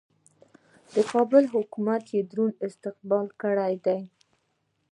د کابل حکومت یې دروند استقبال کړی دی.